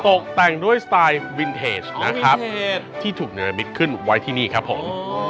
ตกแต่งด้วยสไตล์วินเทจนะครับที่ถูกเนรมิตขึ้นไว้ที่นี่ครับผม